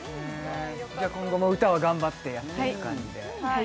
今後も歌を頑張ってやっていく感じで？